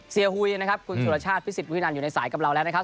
หุยนะครับคุณสุรชาติพิสิทธวินันอยู่ในสายกับเราแล้วนะครับ